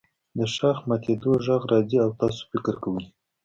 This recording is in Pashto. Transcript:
د ښاخ ماتیدو غږ راځي او تاسو فکر کوئ